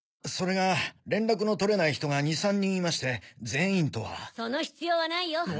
それが連絡の取れない人が２３人いまして全員とは。その必要はないよ！